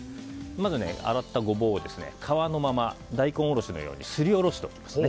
まず、洗ったゴボウを皮のまま大根おろしのようにすりおろします。